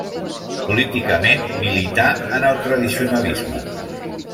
Políticament milità en el tradicionalisme.